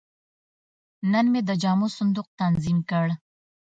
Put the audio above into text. نن مې د جامو صندوق تنظیم کړ.